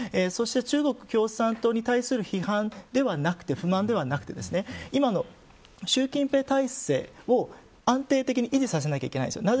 中国共産党に対する批判ではなく、不満ではなく今の習近平体制を安定的に維持させないといけないです。